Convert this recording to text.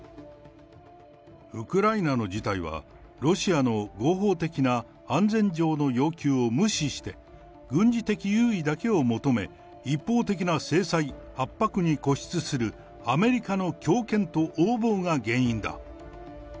ウクライナの事態はロシアの合法的な安全上の要求を無視して、軍事的優位だけを求め、一方的な制裁、圧迫に固執するアメリカの強権と横暴が原因だ。